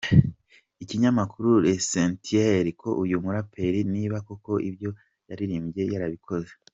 ikinyamakuru LEssentiel ko uyu muraperi niba koko ibyo yaririmbye yarabikoze.